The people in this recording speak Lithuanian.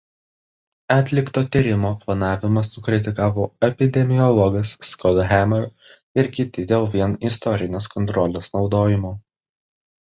Atlikto tyrimo planavimą sukritikavo epidemiologas Scott Hammer ir kiti dėl vien istorinės kontrolės naudojimo.